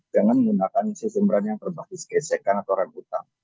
jangan menggunakan sistem rem yang terbasis gesekan atau rem buta